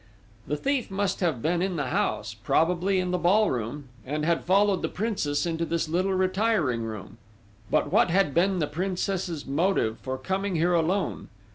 The thief must have been in the house, probably in the ball room, and had followed the Princess into this little retiring room.... But what had been the Princess's motive for coming here alone?